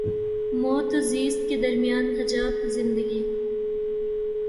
موت و زیست کے درمیاں حجاب زندگی